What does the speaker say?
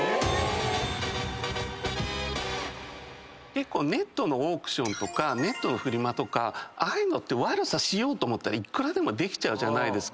結構ネットのオークションとかネットのフリマとかああいうのって悪さしようと思ったらいくらでもできちゃうじゃないですか。